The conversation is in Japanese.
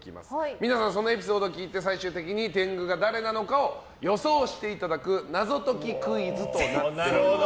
皆さん、そのエピソードを聞いて天狗が誰なのかを予想していただく謎解きクイズとなっております。